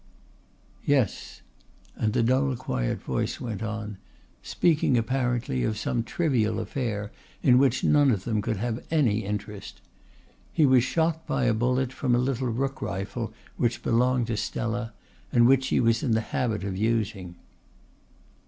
"Yes," and the dull quiet voice went on, speaking apparently of some trivial affair in which none of them could have any interest. "He was shot by a bullet from a little rook rifle which belonged to Stella, and which she was in the habit of using."